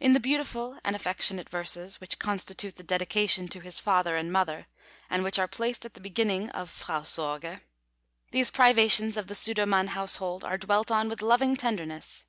In the beautiful and affectionate verses, which constitute the dedication to his father and mother, and which are placed at the beginning of Frau Sorge, these privations of the Sudermann household are dwelt on with loving tenderness.